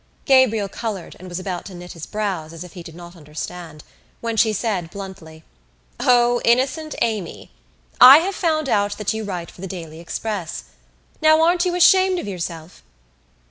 Gabriel coloured and was about to knit his brows, as if he did not understand, when she said bluntly: "O, innocent Amy! I have found out that you write for The Daily Express. Now, aren't you ashamed of yourself?"